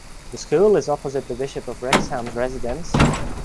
The school is opposite the Bishop of Wrexham's residence.